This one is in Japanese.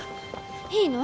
いいの？